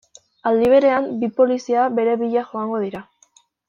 Aldi berean, bi polizia bere bila joango dira.